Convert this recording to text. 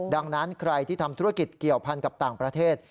ดังนั้นใครที่ทำธุรกิจเกี่ยวพันกับต่างประเทศ